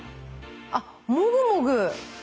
あっもぐもぐ。